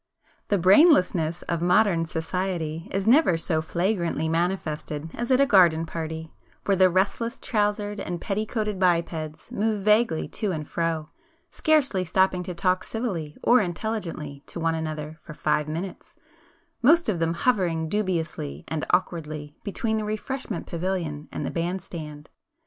The brainlessness of modern society is never so flagrantly manifested as at a garden party, where the restless trousered and petticoated bipeds move vaguely to and fro, scarcely stopping to talk civilly or intelligently to one another for five minutes, most of them hovering dubiously and awkwardly between the refreshment pavilion and the band stand.